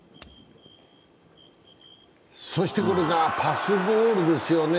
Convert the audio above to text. そして、これがパスボールですよね